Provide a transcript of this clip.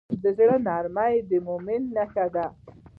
د زړه نرمي د مؤمن نښه ده.